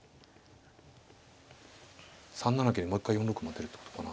３七桂にもう一回４六馬出るってことかな。